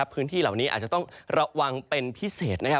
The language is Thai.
พื้นที่เหล่านี้อาจจะต้องระวังเป็นพิเศษ